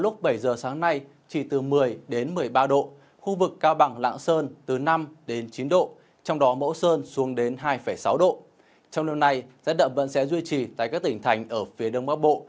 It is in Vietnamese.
trong lần này rét đậm vẫn sẽ duy trì tại các tỉnh thành ở phía đông bắc bộ